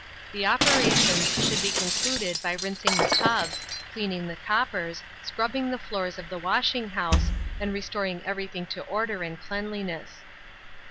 The operations should be concluded by rinsing the tubs, cleaning the coppers, scrubbing the floors of the washing house, and restoring everything to order and cleanliness.